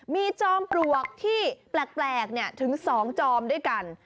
มีจอมปลวกที่แปลกถึง๒จอมด้วยกัน